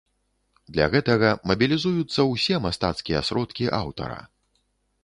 Для гэтага мабілізуюцца ўсе мастацкія сродкі аўтара.